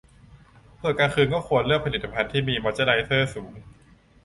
ส่วนกลางคืนควรเลือกผลิตภัณฑ์ที่มีมอยส์เจอไรเซอร์สูง